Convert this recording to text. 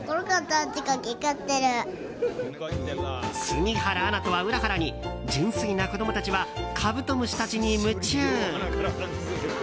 杉原アナとは裏腹に純粋な子供たちはカブトムシたちに夢中。